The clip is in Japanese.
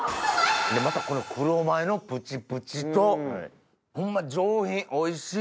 またこの黒米のプチプチとホンマ上品おいしい！